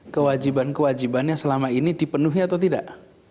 kewajiban kewajibannya selama ini dipenuhi atau tidak